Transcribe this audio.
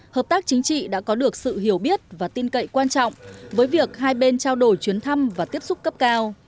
hợp tác chính trị đã có được sự hiểu biết và tin cậy quan trọng với việc hai bên trao đổi chuyến thăm và tiếp xúc cấp cao